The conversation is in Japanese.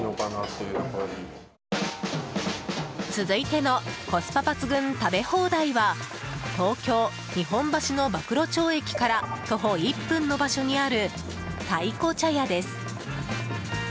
続いてのコスパ抜群食べ放題は東京・日本橋の馬喰町駅から徒歩１分の場所にあるたいこ茶屋です。